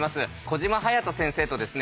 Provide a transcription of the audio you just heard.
小島勇人先生とですね